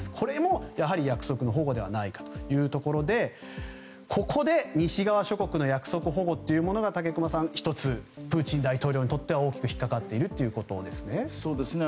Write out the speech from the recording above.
これも約束反故ではないかというとこでここで西側諸国の約束反故が武隈さん、１つプーチン大統領にとっては大きく引っかかっているということですね。